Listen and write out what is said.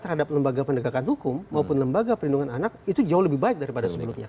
terhadap lembaga pendekatan hukum maupun lembaga perlindungan anak itu jauh lebih baik daripada sebelumnya